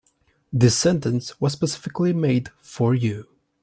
This sentence was specifically made for you.